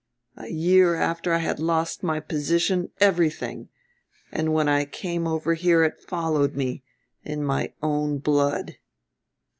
A year after I had lost my position, everything; and when I came over here it followed me ... in my own blood.